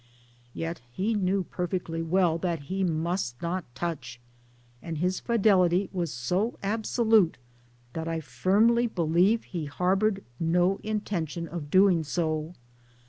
Yet he ktiew perfectly well that he must not touch ; and his fidelity was so absolute that I firmly believe he harboured no intention of doing so.